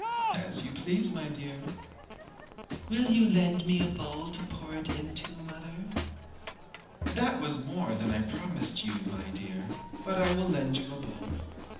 'As you please, my dear.' 'Will you lend me a bowl to pour it into, mother?' 'That was more than I promised you, my dear, but I will lend you a bowl.'